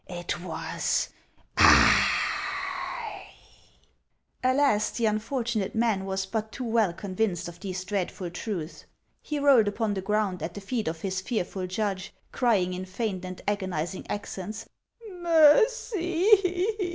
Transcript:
It was I !" Alas ! the unfortunate man was but too well convinced of these dreadful truths. He rolled upon the ground at the feet of his fearful judge, crying in faint and agonizing accents, " Mercy